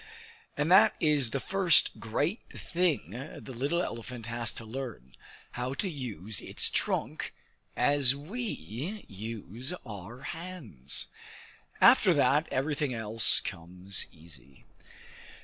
And that is the first great thing the little elephant has to learn how to use its trunk as we use our hands. After that everything else comes easy.